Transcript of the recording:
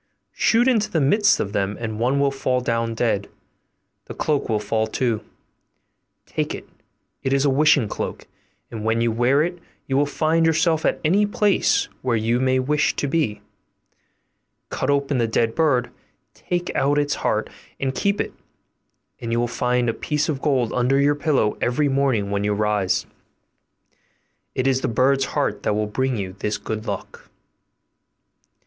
Shoot into the midst of them, and one will fall down dead: the cloak will fall too; take it, it is a wishing cloak, and when you wear it you will find yourself at any place where you may wish to be. Cut open the dead bird, take out its heart and keep it, and you will find a piece of gold under your pillow every morning when you rise. It is the bird's heart that will bring you this good luck.